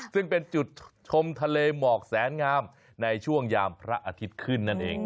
ซึ่งเป็นจุดชมทะเลหมอกแสนงามในช่วงยามพระอาทิตย์ขึ้นนั่นเอง